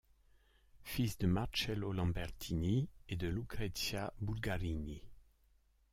Fils de Marcello Lambertini et de Lucrezia Bulgarini.